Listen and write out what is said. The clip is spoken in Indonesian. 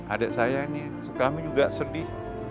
adik saya ini kami juga sedih